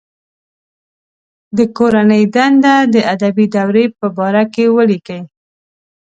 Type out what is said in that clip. د کورنۍ دنده د ادبي دورې په باره کې ولیکئ.